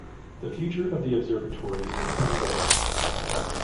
The future of the observatory is in some doubt.